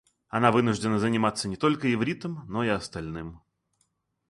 Она вынуждена заниматься не только ивритом, но и остальным.